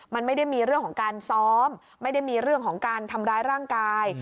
มันไม่ได้มีเรื่องของการซ้อมไม่ได้มีเรื่องของการทำร้ายร่างกาย